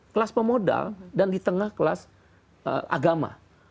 kelas pemodal dan di tengah kelas agama